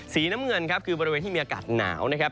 สีน้ำเงินครับคือบริเวณที่มีอากาศหนาวนะครับ